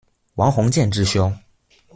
王鸿渐之兄。